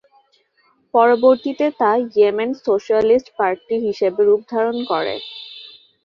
পরবর্তীতে তা Yemen socialist party হিসেবে রূপ ধারণ করে।